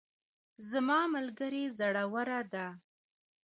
زما ملګری زړور ده